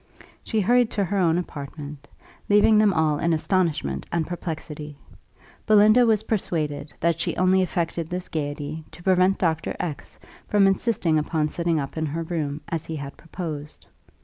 She hurried to her own apartment, leaving them all in astonishment and perplexity. Belinda was persuaded that she only affected this gaiety to prevent Dr. X from insisting upon sitting up in her room, as he had proposed.